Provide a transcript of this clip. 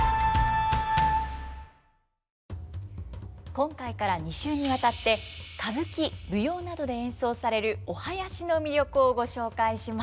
今回から２週にわたって歌舞伎舞踊などで演奏されるお囃子の魅力をご紹介します。